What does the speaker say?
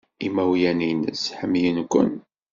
Imawlan-nnes ḥemmlen-ken.